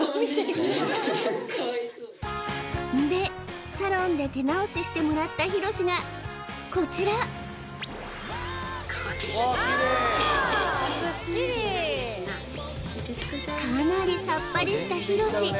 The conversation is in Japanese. はいでサロンで手直ししてもらったひろしがこちらかなりさっぱりしたひろし